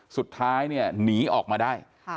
สุดท้ายเนี่ยหนีออกมาได้